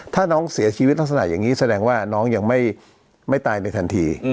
ถ้าน้องเสียชีวิตลักษณะอย่างนี้แสดงว่าน้องยังไม่ตายในทันที